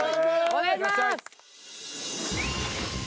お願いします！